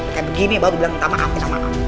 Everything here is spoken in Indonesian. kayak begini baru bilang minta maaf